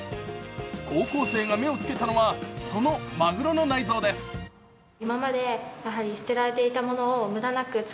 高校生が目をつけたのはそのまぐろの内臓です。